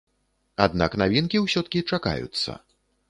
Аднак навінкі ўсё-ткі чакаюцца.